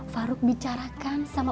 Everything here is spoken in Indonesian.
faruk bicarakan sama